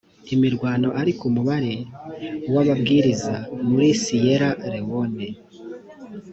imirwano ariko umubare w ababwiriza muri siyera lewone